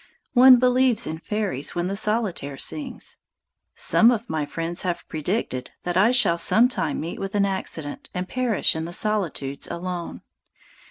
One believes in fairies when the solitaire sings. Some of my friends have predicted that I shall some time meet with an accident and perish in the solitudes alone.